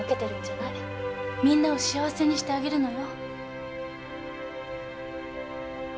みんなを幸せにしてあげるのよ。